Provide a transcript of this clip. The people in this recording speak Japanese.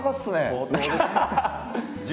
相当ですね。